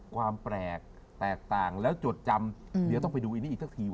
ความแปลกแตกต่างแล้วจดจำเดี๋ยวต้องไปดูอันนี้อีกสักทีว